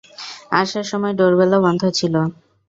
আসার সময় ডোরবেলও বন্ধ ছিল।